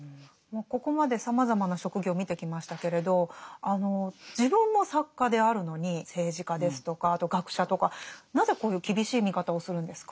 ここまでさまざまな職業を見てきましたけれど自分も作家であるのに政治家ですとかあと学者とかなぜこういう厳しい見方をするんですか？